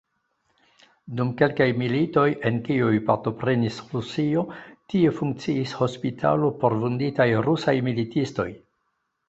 Dum kelkaj militoj, en kiuj partoprenis Rusio, tie funkciis hospitalo por vunditaj rusaj militistoj.